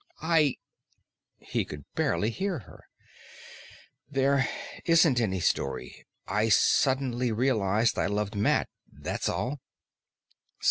"I " He could barely hear her. "There isn't any story. I suddenly realized I loved Matt. That's all."